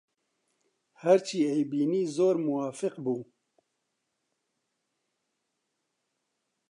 هەرچی ئەیبینی زۆر موافق بوو